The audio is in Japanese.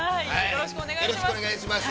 ◆よろしくお願いします。